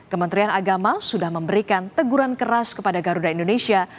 kementerian agama sudah memberikan teguran keras kepada garuda indonesia